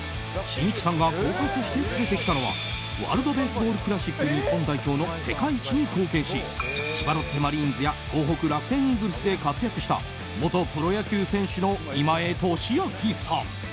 しんいちさんが後輩として連れてきたのはワールド・ベースボール・クラシック日本代表の世界一に貢献し千葉ロッテマリーンズや東北楽天イーグルスで活躍した元プロ野球選手の今江敏晃さん。